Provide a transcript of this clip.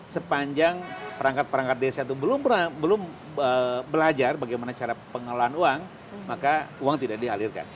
sepanjang perangkat perangkat desa itu belum belajar bagaimana cara pengelolaan uang maka uang tidak dialirkan